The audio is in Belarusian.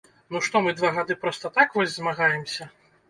Ну што мы два гады проста так вось змагаемся?